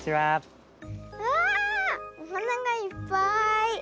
わあおはながいっぱい。